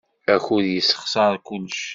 Akud yessexṣar kullec.